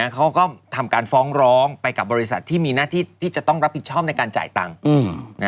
เขาก็ทำการฟ้องร้องไปกับบริษัทที่มีหน้าที่ที่จะต้องรับผิดชอบในการจ่ายตังค์